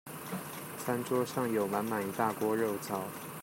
餐桌上有滿滿一大鍋肉燥